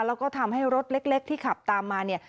แล้วก็ทำให้รถเล็กที่ขับตามมาเนี่ย